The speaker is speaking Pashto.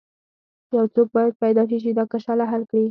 یو څوک باید پیدا شي چې دا کشاله حل کړي.